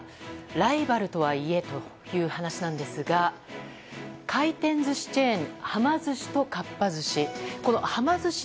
ライバルとはいえどという話なんですが回転寿司チェーンはま寿司と、かっぱ寿司。